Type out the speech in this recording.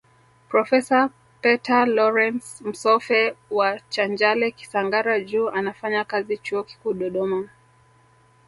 Profesa Pater Lawrance Msoffe wa Chanjale Kisangara juu anafanya kazi Chuo Kikuu Dodoma